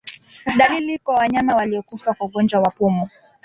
Dalili kwa wanyama waliokufa kwa ugonjwa wa pumu